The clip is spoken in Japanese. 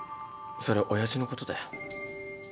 それ親父のことだよ。